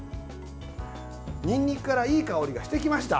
にんにくからいい香りがしてきました。